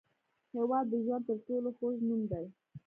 هېواد د ژوند تر ټولو خوږ نوم دی.